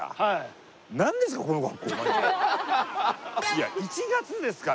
いや１月ですから。